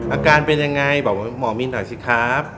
อาการเป็นยังไงบอกหมอมินหน่อยสิครับ